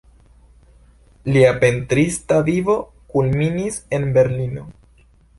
Lia pentrista vivo kulminis en Berlino.